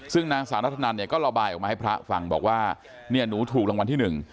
ซึ่งนางสาวนัทธนันเนี่ยก็ระบายออกมาให้พระฟังบอกว่าเนี่ยหนูถูกรางวัลที่หนึ่ง